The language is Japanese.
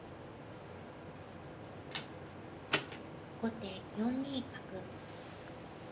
後手４二角。